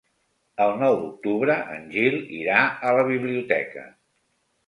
El nou d'octubre en Gil irà a la biblioteca.